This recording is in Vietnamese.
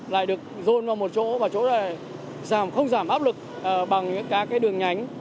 rôn vào một chỗ và chỗ này không giảm áp lực bằng những cái đường nhánh